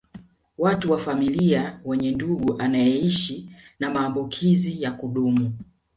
Watu wa familia wenye ndugu anayeishi na maambukizi ya kudumu